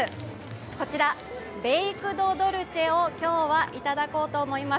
こちら、ベイクドルチェを今日はいただこうと思います。